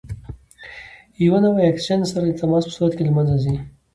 یوه نوعه یې د اکسیجن سره د تماس په صورت کې له منځه ځي.